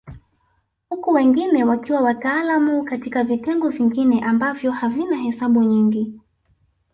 Huku wengine wakiwa wataalamu katika vitengo vingine ambavyo havina hesabu nyingi